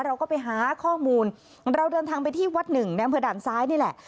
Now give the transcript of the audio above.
เราก็ไปหาข้อมูลเราเดินทางไปที่วัดหนึ่งในอำเภอด่านซ้ายนี่แหละ